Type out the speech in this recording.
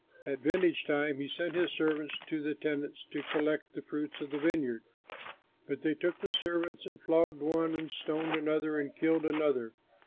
At vintage time he sent his servants to the tenants to collect the fruits of the vineyard, but they took the servants and flogged one, stoned another, and killed another.